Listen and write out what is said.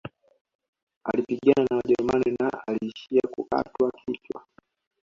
Alipigana na wajerumani na aliishia kukatwa kichwa